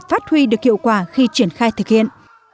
phát huy được hiệu quả khi triển khai thực hiện